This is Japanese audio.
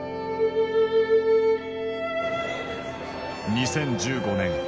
２０１５年。